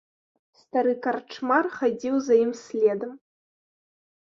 Стары карчмар хадзіў за ім следам.